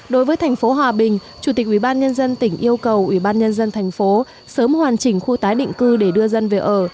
đối với thành phố hòa bình chủ tịch ubnd tỉnh yêu cầu ubnd thành phố sớm hoàn chỉnh khu tái định cư để đưa dân về ở